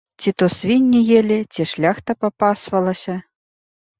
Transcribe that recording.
Ці то свінні елі, ці шляхта папасвалася.